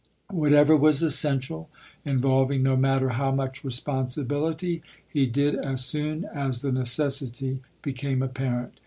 Whatever was essential, involving no matter how much responsibility, he did as soon as the necessity became apparent.